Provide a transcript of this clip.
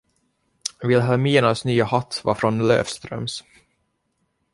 Vilhelminas nya hatt var från Löfströms.